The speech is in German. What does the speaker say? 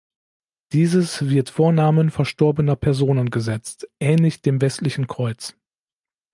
Dieses wird vor Namen verstorbener Personen gesetzt, ähnlich dem westlichen Kreuz.